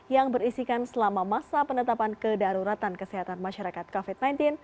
yang berisikan selama masa penetapan kedaruratan kesehatan masyarakat covid sembilan belas